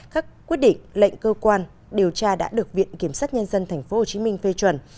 các quyết định lệnh cơ quan điều tra đã được viện kiểm sát nhân dân tp hcm phê chuẩn